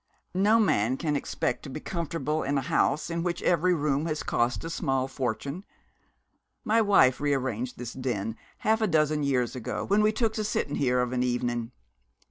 'No man can expect to be comfortable in a house in which every room has cost a small fortune. My wife re arranged this den half a dozen years ago when we took to sittin' here of an evenin'.